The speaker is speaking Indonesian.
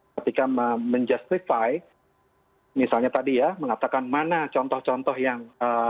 ketika menjustify misalnya tadi ya mengatakan mana contoh contoh yang